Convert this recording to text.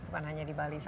kan hanya di bali saja